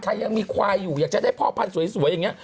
ยังมีควายอยู่อยากจะได้พ่อพันธุ์สวยอย่างนี้